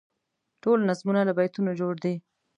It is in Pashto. ټول نظمونه له بیتونو جوړ دي.